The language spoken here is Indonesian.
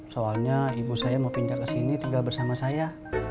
soalnya ibu saya mau pindah ke sini tinggal bersama saya